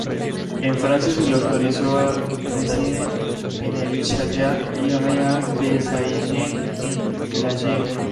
En Francia se le autorizó a residir en el château real de Saint-Germain-en-Laye.